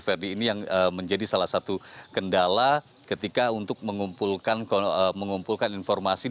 jadi ini yang menjadi salah satu kendala ketika untuk mengumpulkan informasi